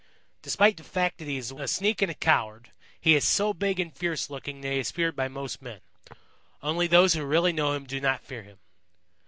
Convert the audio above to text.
Despite the fact that he is a sneak and coward, he is so big and fierce looking that he is feared by most men. Only those who really know him do not fear him.